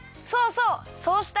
そうそう！